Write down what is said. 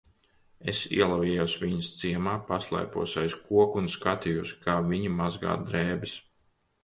Es ielavījos viņas ciemā, paslēpos aiz koka un skatījos, kā viņa mazgā drēbes.